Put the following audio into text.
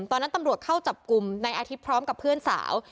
ตอนนั้นตำรวจเข้าจับกลุ่มในอาทิตย์พร้อมกับเพื่อนสาว